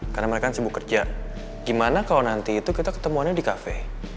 karena mereka sibuk kerja gimana kalo nanti itu kita ketemuannya di kafe